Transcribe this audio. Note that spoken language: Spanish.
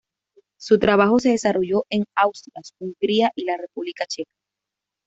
Su trabajo se desarrolló en Austria, Hungría y la República Checa.